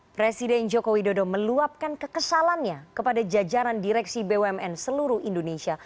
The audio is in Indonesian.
presiden joko widodo meluapkan kekesalannya kepada jajaran direksi bumn seluruh indonesia